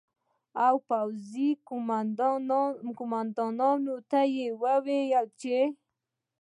او پوځي قومندانانو ته یې وویل چې